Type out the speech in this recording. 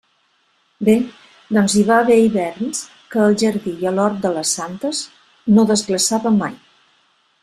Bé, doncs hi va haver hiverns que al jardí i a l'hort de «les santes» no desglaçava mai.